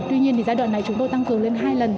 tuy nhiên giai đoạn này chúng tôi tăng cường lên hai lần